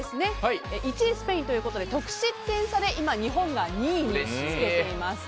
１位スペインということで得失点差で日本が今２位につけています。